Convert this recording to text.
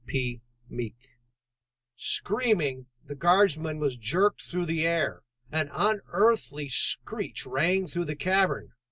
_"] [Sidenote: Screaming, the guardsman was jerked through the air. An unearthly screech rang through the cavern.